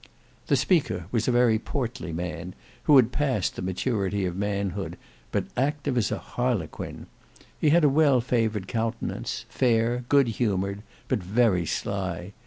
The speaker was a very portly man who had passed the maturity of manhood, but active as Harlequin. He had a well favoured countenance; fair, good humoured, but very sly.